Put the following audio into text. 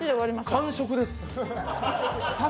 完食です。